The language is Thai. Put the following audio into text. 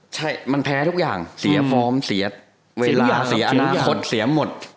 ใช่มันแพ้ทุกอย่างเสียฟอร์มเสียเวลาเสียอนาคตเสียหมด